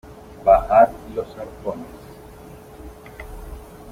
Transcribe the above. bajad los arpones .